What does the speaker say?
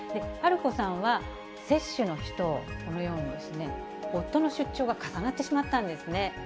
ぱるこさんは、接種の日と、このように、夫の出張が重なってしまったんですね。